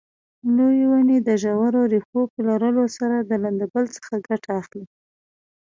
لویې ونې د ژورو ریښو په لرلو سره د لمدبل څخه ګټه اخلي.